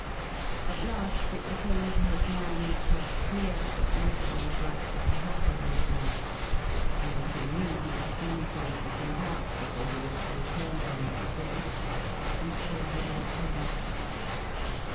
At last it became to his mind quite clear that nothing was likely to happen that night, and he knew he had many things to think out before he was to return there next day, and so he went home.